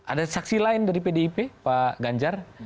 ada saksi lain dari pdip pak ganjar